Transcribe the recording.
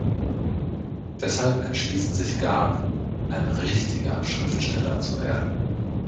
Deshalb entschließt sich Garp, ein „richtiger“ Schriftsteller zu werden.